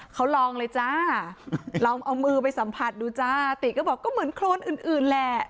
เขาลองเลยจ้าลองเอามือไปสัมผัสดูจ้าติก็บอกก็เหมือนโครนอื่นแหละ